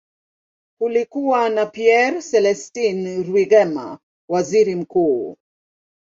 Kulikuwa na Pierre Celestin Rwigema, waziri mkuu.